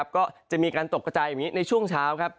ก็จะมีการตกกระจายอย่างนี้ในช่วงเช้า